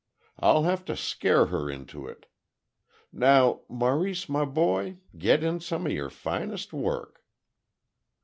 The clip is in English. I'll have to scare her into it! Now, Maurice, my boy, get in some of your finest work."